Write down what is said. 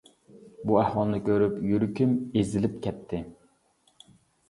بۇ ئەھۋالنى كۆرۈپ يۈرىكىم ئېزىلىپ كەتتى.